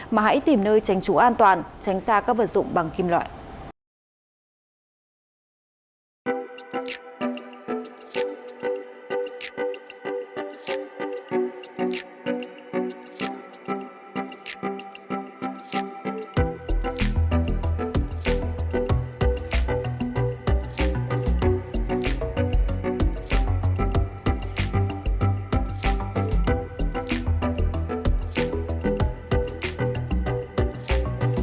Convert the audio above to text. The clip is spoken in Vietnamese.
mà hãy tìm nơi tránh trú an toàn tránh xa các vật dụng bằng kim loại